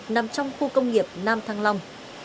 nằm trong khu công nghiệp nam thăng long